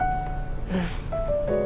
うん。